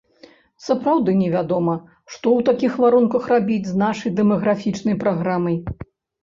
Сапраўды не вядома, што ў такіх варунках рабіць з нашай дэмаграфічнай праграмай.